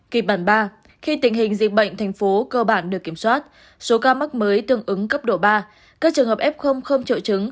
kịch bản ba khi tình hình dịch bệnh tp hcm được kiểm soát số ca mắc mới tương ứng cấp độ ba các trường hợp f không triệu chứng